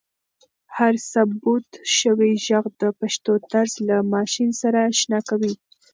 هر ثبت شوی ږغ د پښتو طرز له ماشین سره اشنا کوي.